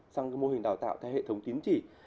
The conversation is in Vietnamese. sang mô hình đào tạo theo hệ thống tiến chỉ